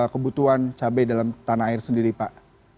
kebutuhan cabai dalam tanah air sendiri pak